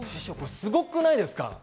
すごくないですか？